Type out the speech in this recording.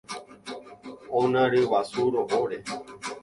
ona ryguasu ro'óre